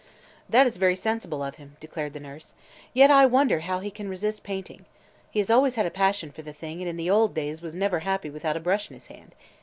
"That is very sensible of him," declared the nurse; "yet I wonder how he can resist painting. He has always had a passion for the thing and in the old days was never happy without a brush in his hand.